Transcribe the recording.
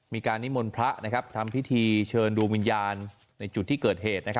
นิมนต์พระทำพิธีเชิญดวงวิญญาณในจุดที่เกิดเหตุ